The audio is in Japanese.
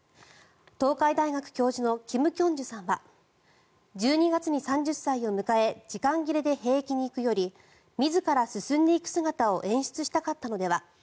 東海大学教授の金慶珠さんは１２月に３０歳を迎え時間切れで兵役に行くより自ら進んでいく姿を演出したかったのでは。